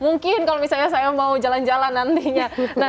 mungkin kalau misalnya saya mau jalan jalan nantinya